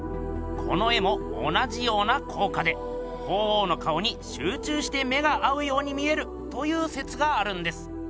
この絵も同じような効果で鳳凰の顔にしゅう中して目が合うように見えるという説があるんです。